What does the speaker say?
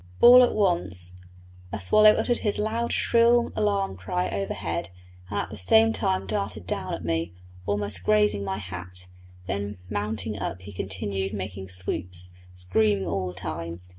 All at once a swallow uttered his loud shrill alarm cry overhead and at the same time darted down at me, almost grazing my hat, then mounting up he continued making swoops, screaming all the time.